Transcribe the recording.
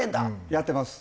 やってます。